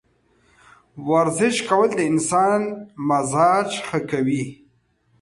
ورزش کول د انسان مزاج ښه کوي.